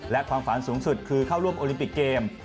และความฝันสูงสุดคือเข้าร่วมโอลิมปิกเกม